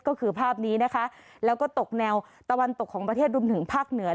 ก็คือภาพนี้นะคะแล้วก็ตกแนวตะวันตกของประเทศรวมถึงภาคเหนือ